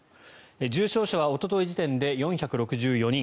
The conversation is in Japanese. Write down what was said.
重症者はおととい時点で４６４人。